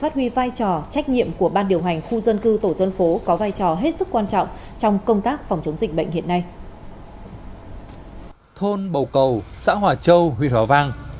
thôn bầu cầu xã hòa châu huyện hòa vang